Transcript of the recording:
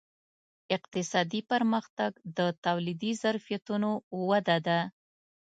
اقتصادي پرمختګ د تولیدي ظرفیتونو وده ده.